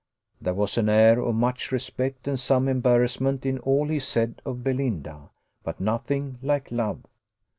There was an air of much respect and some embarrassment in all he said of Belinda, but nothing like love.